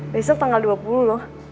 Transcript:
besok tanggal dua puluh